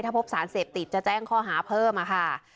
ถ้าพบสารเสพติดจะแจ้งข้อหาเพิ่มค่ะ